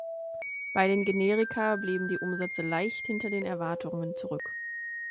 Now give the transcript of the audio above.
Bei den Generika blieben die Umsätze leicht hinter den Erwartungen zurück.